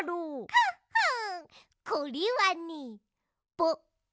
フッフンこれはね。